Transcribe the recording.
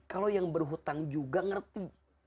kalau yang berhutang juga ngerti